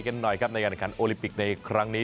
กันหน่อยครับนะยังไข่ฝนโอลิปิกในครั้งนี้